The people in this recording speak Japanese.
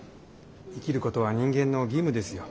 生きることは人間の義務ですよ。